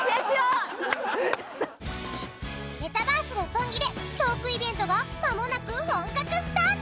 メタバース六本木でトークイベントがまもなく本格スタート！